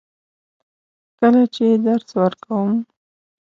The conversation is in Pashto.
کله چې درس ورکوم.